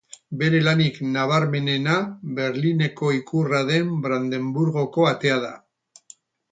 Bere lanik nabarmenena Berlineko ikurra den Brandeburgoko Atea da.